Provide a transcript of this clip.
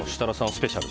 スペシャル。